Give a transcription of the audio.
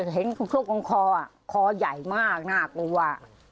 แต่เห็นทุกของคออ่ะคอใหญ่มากน่ากลัวอ่ะ